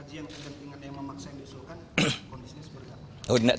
kaji yang kegentingan yang memaksa yang disuruhkan kondisinya seperti apa